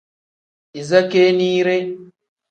Iza keeniire.